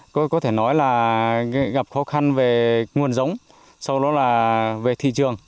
có thể nói là gặp khó khăn về nguồn giống sau đó là về thị trường